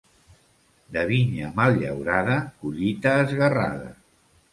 De vinya mal llaurada, collita esguerrada.